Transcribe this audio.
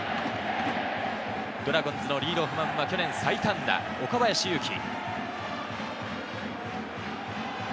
ドラゴンズのリードオフマンは去年最多安打、岡林勇希。